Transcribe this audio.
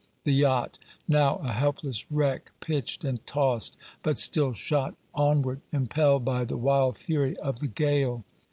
The yacht, now a helpless wreck, pitched and tossed, but still shot onward, impelled by the wild fury of the gale.